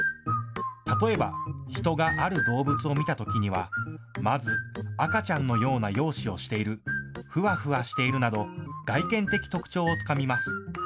例えば、人がある動物を見たときにはまず、赤ちゃんのような容姿をしている、ふわふわしているなど外見的特徴をつかみます。